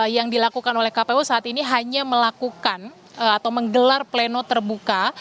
yang dilakukan oleh kpu saat ini hanya melakukan atau menggelar pleno terbuka